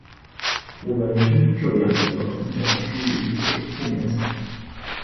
我们称这样一个很小的区域为附面层。